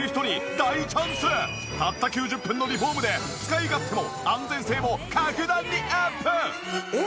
たった９０分のリフォームで使い勝手も安全性も格段にアップ！